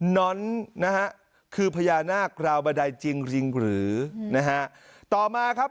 น้อนนะฮะคือพญานาคราวบันไดจริงจริงหรือนะฮะต่อมาครับ